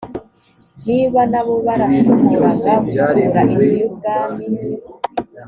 niba na bo barashoboraga gusura inzu y ubwami